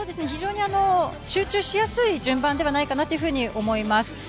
非常に集中しやすい順番ではないかなというふうに思います。